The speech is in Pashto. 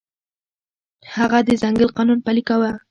هغه د ځنګل قانون پلی کاوه.